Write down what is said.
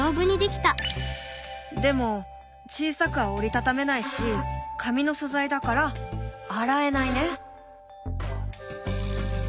でも小さくは折り畳めないし紙の素材だから洗えないね。